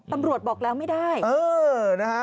ตำรวจบอกแล้วไม่ได้เออนะฮะ